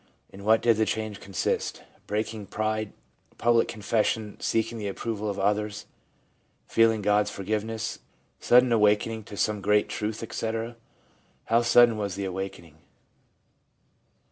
In what did the change consist? — breaking pride, public confession, seek ing the approval of others, feeling God's forgiveness, sudden awakening to some great truth, etc.? How sudden was the awakening?